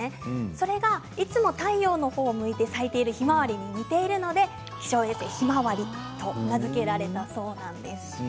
それが、いつも太陽のほうを向いて咲いているひまわりに似ているので気象衛星ひまわりと名付けられたそうなんです。